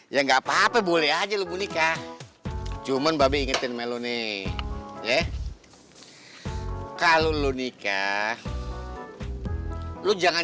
ya nggak apa apa boleh aja lo bunyikan cuman babi ingetin meloni ya kalau lo nikah lu jangan